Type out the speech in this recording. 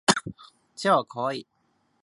チワワは可愛い。